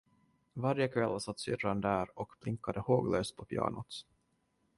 Varje kväll satt syrran där och plinkade håglöst på pianot.